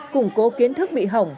củng cố kiến thức bị hỏng